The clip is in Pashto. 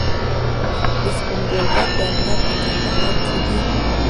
د سپین بولدک بندر په کندهار کې دی